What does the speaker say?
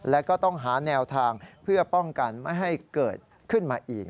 และก็ต้องหาแนวทางเพื่อป้องกันไม่ให้เกิดขึ้นมาอีก